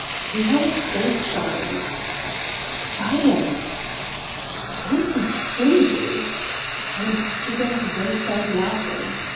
"See how his face shines." "Silence!" "Don't be stingy!" And Tsiganok burst out laughing.